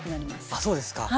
あそうですか。